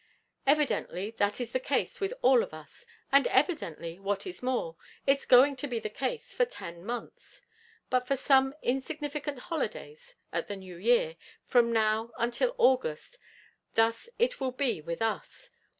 _ Evidently that is the case with all of us. And evidently, what is more, it's going to be the case for ten months. But for some insignificant holidays at the New Year, from now until August, thus it will be with us.